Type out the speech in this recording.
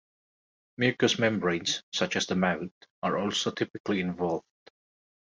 Mucous membranes, such as the mouth, are also typically involved.